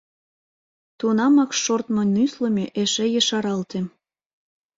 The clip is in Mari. Тунамак шортмо-нюслымо эше ешаралте.